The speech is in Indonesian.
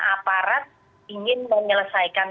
aparat ingin menyelesaikan